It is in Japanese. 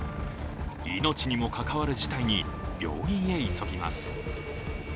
命にも関わる事態に病院へ急ぎます。